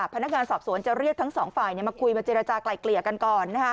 พนักงานสอบสวนจะเรียกทั้งสองฝ่ายมาคุยมาเจรจากลายเกลี่ยกันก่อน